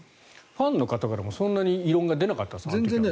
ファンの方からもそんなに異論が出なかったんですね。